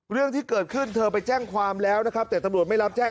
เรื่องที่เกิดขึ้นเธอไปแจ้งความแล้วนะครับแต่ตำรวจไม่รับแจ้ง